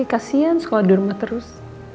kasian sekolah di rumah terus